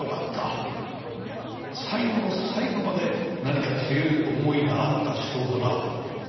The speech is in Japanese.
最後の最後まで何か強い思いがあった証拠だ。